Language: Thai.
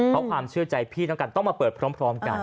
เพราะความเชื่อใจพี่ต้องการต้องมาเปิดพร้อมกัน